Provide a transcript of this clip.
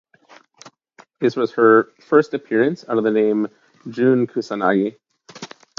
This was her first appearance under the name Jun Kusanagi.